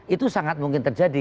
itu sangat mungkin terjadi